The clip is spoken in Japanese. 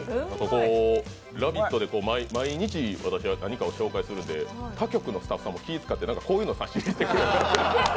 「ラヴィット！」で毎日、私が何かを紹介するので他局のスタッフさんも気を使ってこういうのを差し入れしてくれる。